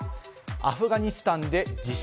アフガニスタンで地震。